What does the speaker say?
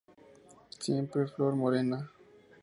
Siempre flor morena.